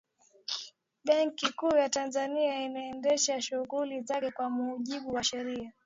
benki kuu ya tanzania inaendesha shughuli zake kwa mujibu wa sheria